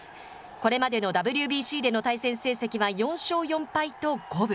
これまでのＷＢＣでの対戦成績は４勝４敗と五分。